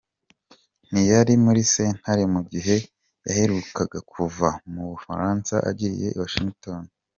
Ntiyari muri sentare mu gihe yaheruka kuva mu Bufaransa agiye i Washington.